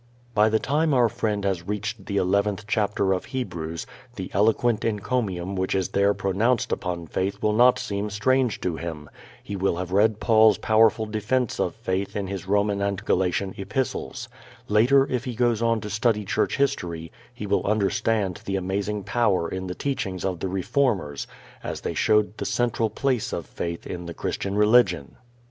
By the time our friend has reached the eleventh chapter of Hebrews the eloquent encomium which is there pronounced upon faith will not seem strange to him. He will have read Paul's powerful defense of faith in his Roman and Galatian epistles. Later if he goes on to study church history he will understand the amazing power in the teachings of the Reformers as they showed the central place of faith in the Christian religion.